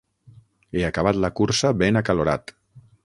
He acabat la cursa ben acalorat.